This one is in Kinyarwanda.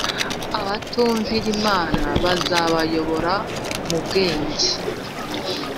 abatumvira Imana azabayobora mu bwenge